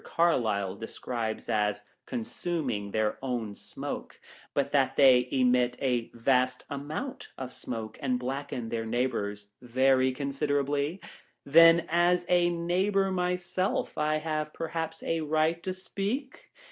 CARLYLE describes as consuming their own smoke ; but that they emit a vast amount of smoke, and blacken their neigh bours very considerably ? Then, as a neigh bour myself, I have perhaps a right to speak